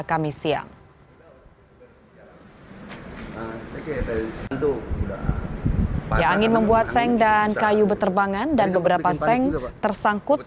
kami siang angin membuat seng dan kayu beterbangan dan beberapa seng tersangkut